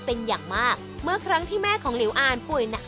เป็นอย่างมากเมื่อครั้งที่แม่ของหลิวอ่านป่วยหนัก